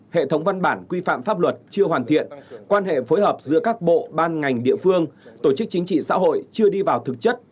hệ thống văn bản quy phạm pháp luật chưa hoàn thiện quan hệ phối hợp giữa các bộ ban ngành địa phương tổ chức chính trị xã hội chưa đi vào thực chất